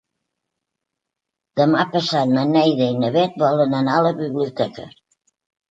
Demà passat na Neida i na Bet volen anar a la biblioteca.